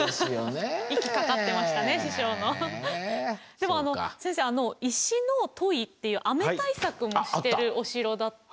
でもあの先生あの石のっていう雨対策もしてるああった。